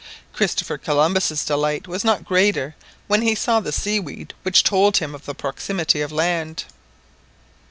Christopher Columbus' delight was not greater when he saw the sea weed which told him of the proximity of land.